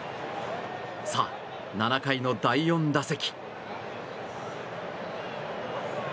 さあ、７回の第４打席。